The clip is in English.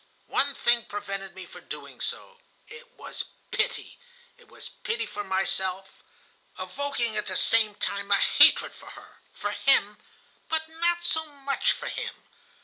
One thing prevented me from doing so. It was pity! It was pity for myself, evoking at the same time a hatred for her, for him, but not so much for him.